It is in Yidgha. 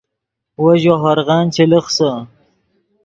وو ژے ہورغن چے لخسے